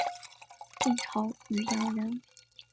晋朝渔阳人。